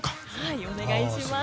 お願いします。